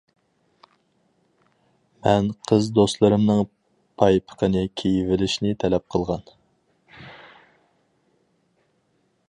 مەن قىز دوستلىرىمنىڭ پايپىقىنى كىيىۋېلىشىنى تەلەپ قىلغان.